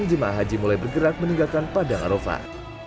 jemaah haji mulai bergerak meninggalkan padang arofah